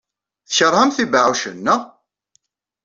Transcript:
Tkeṛhemt ibeɛɛucen, naɣ?